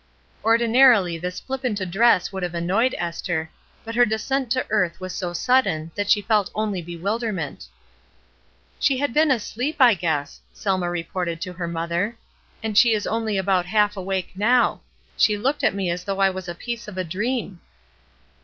Ordinarily this flippant address would have "DELIBERATELY, AND FOREVER" 229 annoyed Esther, but her descent to earth was so sudden that she felt only bewilderment. "She had been asleep, I guess," Selma re ported to her mother. "And she is only about half awake now ; she looked at me as though I was a piece of a dream."